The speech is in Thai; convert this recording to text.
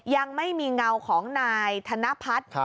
ยังไม่มีเงาของนายธนพัฒน์